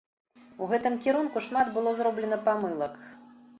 У гэтым кірунку шмат было зроблена памылак.